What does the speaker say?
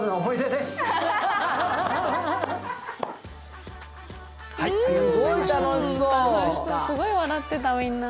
すごい笑ってた、みんな。